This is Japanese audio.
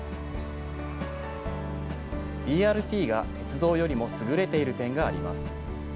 ＢＲＴが鉄道よりも優れている点があります。